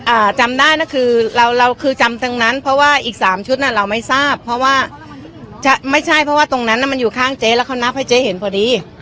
อ่าจำได้นะคือเราเราคือจำตรงนั้นเพราะว่าอีกสามชุดน่ะเราไม่ทราบเพราะว่าจะไม่ใช่เพราะว่าตรงนั้นน่ะมันอยู่ข้างเจ๊แล้วเขานับให้เจ๊เห็นพอดี